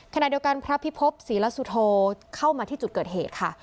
ขณะเดียวกันพระพิภพศรีละสุโธเข้ามาที่จุดเกิดเหตุค่ะ